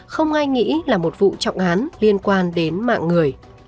không ai nghĩ là một vụ trọng án liên quan đến mạng người